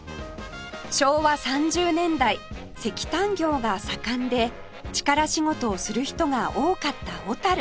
昭和３０年代石炭業が盛んで力仕事をする人が多かった小